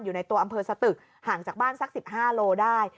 อยู่ในตัวอำเภอสตึกห่างจากบ้านสัก๑๕โลได้